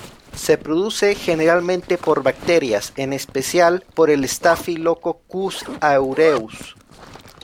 Se produce generalmente por bacterias, en especial por el "Staphylococcus aureus".